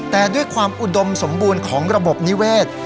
แต่ด้วยความอุดมสมบูรณ์ของระบบนิเวศ